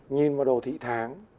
nhìn vào đồ thị tháng